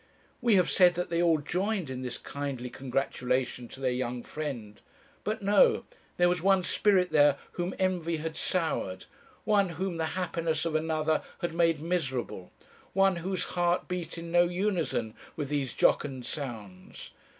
"We have said that they all joined in this kindly congratulation to their young friend. But no. There was one spirit there whom envy had soured, one whom the happiness of another had made miserable, one whose heart beat in no unison with these jocund sounds.